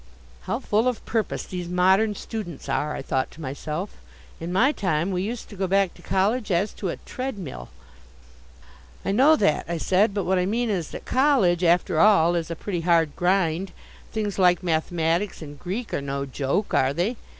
How full of purpose these modern students are, I thought to myself. In my time we used to go back to college as to a treadmill. "I know that," I said, "but what I mean is that college, after all, is a pretty hard grind. Things like mathematics and Greek are no joke, are they?